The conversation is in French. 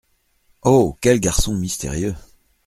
Oh ! quel garçon mystérieux !